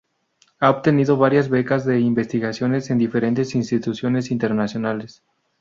Ha obtenido variadas becas de investigación en diferentes instituciones internacionales.